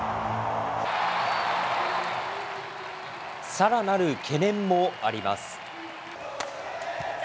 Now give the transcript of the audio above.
さらなる懸念もあります。